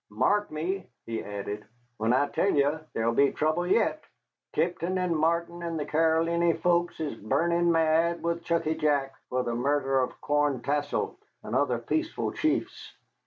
Mark me," he added, "when I tell ye there'll be trouble yet. Tipton and Martin and the Caroliny folks is burnin' mad with Chucky Jack for the murder of Corn Tassel and other peaceful chiefs.